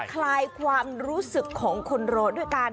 คลายความรู้สึกของคนรอด้วยกัน